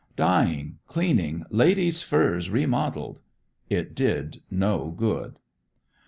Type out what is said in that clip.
"Dyeing, Cleaning, Ladies' Furs Remodeled" it did no good.